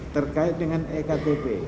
terkait dengan ektp